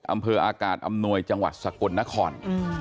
อำเภออากาศอำนวยจังหวัดสกลนคร